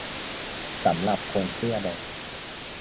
สำหรับคนเสื้อแดง